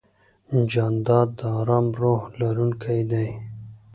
جانداد د ارام روح لرونکی دی.